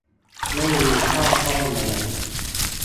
ไม่มีข้อโต้แย้ง